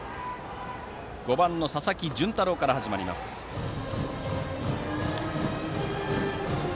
５番の佐々木純太郎から始まる攻撃です。